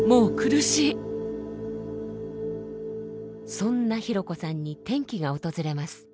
そんなひろこさんに転機が訪れます。